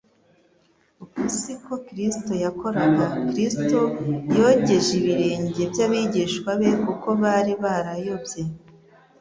Uko siko Kristo yakoraga. Kristo yogeje ibirenge by'abigishwa be kuko bari barayobye